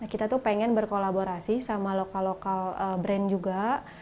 kita tuh pengen berkolaborasi sama lokal lokal brand juga